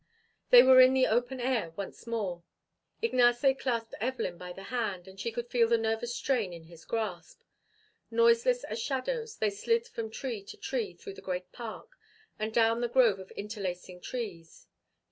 They were in the open air once more. Ignace clasped Evelyn by the hand, and she could feel the nervous strain in his grasp. Noiseless as shadows, they slid from tree to tree through the great park, and down the grove of interlacing trees.